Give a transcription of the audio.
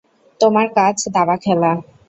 তোমার কাজ দাবা খেলা।